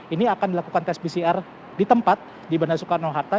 ini akan dilakukan tes pcr di tempat di bandara soekarno hatta